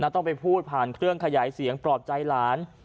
ต้องไปพูดผ่านเครื่องขยายเสียงปลอบใจหลาน